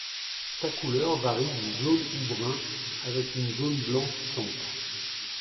Sa couleur varie du jaune ou brun avec une zone blanche centre.